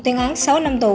tuyên án sáu năm tù